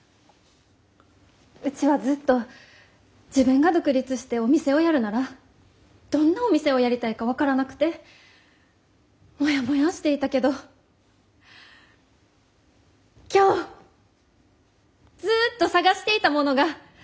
うちはずっと自分が独立してお店をやるならどんなお店をやりたいか分からなくてもやもやーしていたけど今日ずっと探していたものが見つかりました！